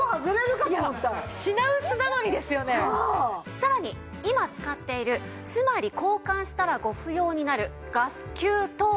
さらに今使っているつまり交換したらご不要になるガス給湯器を。